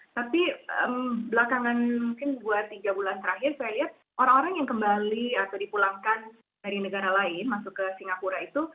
tapi belakangan mungkin dua tiga bulan terakhir saya lihat orang orang yang kembali atau dipulangkan dari negara lain masuk ke singapura itu